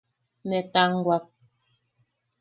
Netanwak.